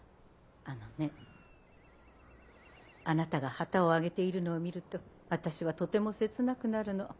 あのねあなたが旗をあげているのを見ると私はとても切なくなるの。